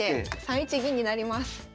３一銀になります。